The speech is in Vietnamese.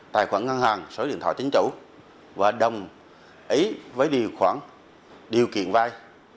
tài khoản ngân hàng số điện thoại chính chủ và đồng ý với điều kiện vai